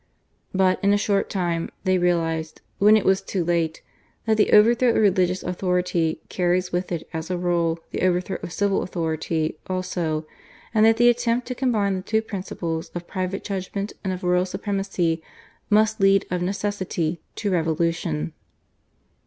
But, in a short time, they realised, when it was too late, that the overthrow of religious authority carries with it as a rule the overthrow of civil authority also, and that the attempt to combine the two principles of private judgment and of royal supremacy must lead of necessity to revolution.